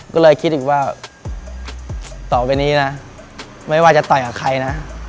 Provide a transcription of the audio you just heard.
ก็เลยคิดอีกว่าต่อไปนี้นะไม่ว่าจะต่อยกับใครนะ